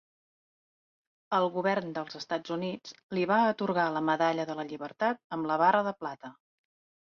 El govern dels Estats Units li va atorgar la Medalla de la Llibertat amb la barra de plata.